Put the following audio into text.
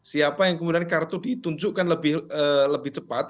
siapa yang kemudian kartu ditunjukkan lebih cepat